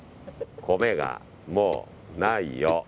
米が、もうないよ。